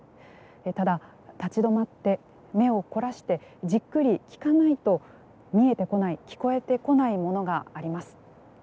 ただ、立ち止まって目を凝らしてじっくり聞かないと見えてこない、聞こえてこないものがあります。